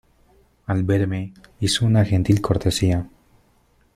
al verme hizo una gentil cortesía